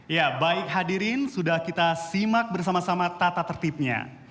ya baik hadirin sudah kita simak bersama sama tata tertibnya